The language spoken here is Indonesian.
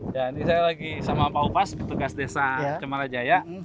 ini saya lagi sama pak upas petugas desa cemarajaya